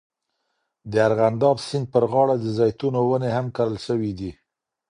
د ارغنداب سیند پر غاړه د زیتونو ونې هم کرل سوي دي.